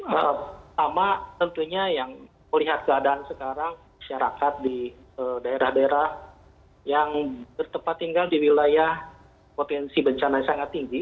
pertama tentunya yang melihat keadaan sekarang masyarakat di daerah daerah yang bertempat tinggal di wilayah potensi bencana yang sangat tinggi